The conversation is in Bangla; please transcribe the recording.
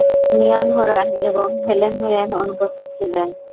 নিয়াল হোরান এবং হেলেন মিরেন অনুপস্থিত ছিলেন।